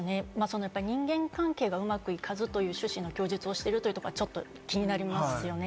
人間関係がうまくいかずという供述をしているというところがちょっと気になりますよね。